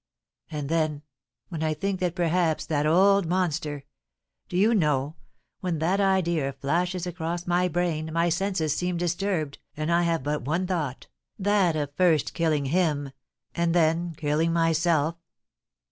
"And, then, when I think that perhaps that old monster Do you know, when that idea flashes across my brain, my senses seem disturbed, and I have but one thought, that of first killing him and then killing myself?"